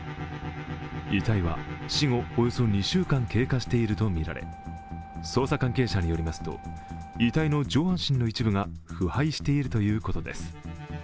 遺体は死後およそ２週間経過しているとみられ捜査関係者によりますと遺体の上半身の一部が腐敗しているということです。